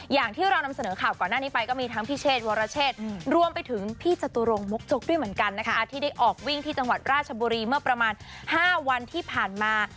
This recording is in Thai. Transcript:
อย่างที่เรานำเสนอข่าวก่อนหน้านี้ไปก็มีทั้งพี่เชษวรเชษรวมไปถึงพี่จตุรงมกจกด้วยเหมือนกันนะคะที่ได้ออกวิ่งที่จังหวัดราชบุรีเมื่อประมาณ๕วันที่ผ่านมา